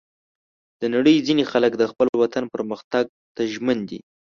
د نړۍ ځینې خلک د خپل وطن پرمختګ ته ژمن دي.